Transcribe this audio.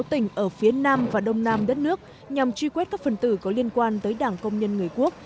sáu tỉnh ở phía nam và đông nam đất nước nhằm truy quét các phần tử có liên quan tới đảng công nhân người quốc